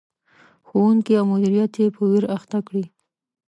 ښوونکي او مدیریت یې په ویر اخته کړي.